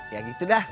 ya gitu dah